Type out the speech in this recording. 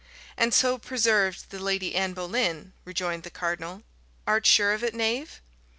"And so preserved the Lady Anne Boleyn," rejoined the cardinal. "Art sure of it, knave?"